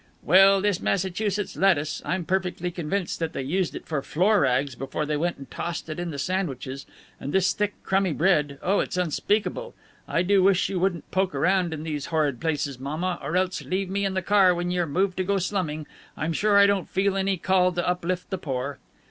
"Well, this Massachusetts lettuce I'm perfectly convinced that they used it for floor rags before they went and lost it in the sandwiches and this thick crumby bread oh, it's unspeakable. I do wish you wouldn't poke around in these horrid places, mama, or else leave me in the car when you are moved to go slumming. I'm sure I don't feel any call to uplift the poor."